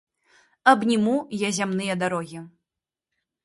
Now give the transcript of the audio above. Абніму я зямныя дарогі.